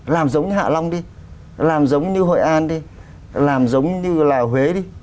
làm giống như hạ long đi làm giống như hội an đi làm giống như là huế đi